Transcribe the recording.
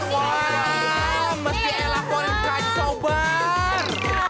wah mesti elak polis kan sobat